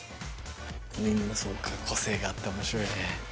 みんなそうか個性があって面白いね